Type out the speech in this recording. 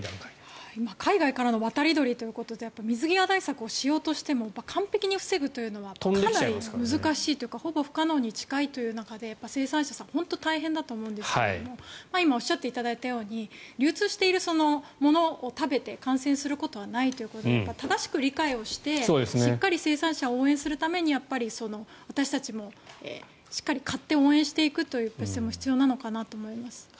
海外からの渡り鳥ということで水際対策をしようとしても完璧に防ぐというのはかなり難しいというかほぼ不可能という中で生産者さんは本当に大変だと思うんですが今おっしゃっていただいたように流通しているものを食べて感染することはないということで正しく理解をしてしっかり生産者を応援するために私たちもしっかり買って応援していくということも必要なのかなと思います。